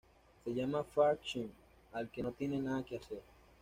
Se llama""Fak'shghr"" al que no tiene nada que hacer.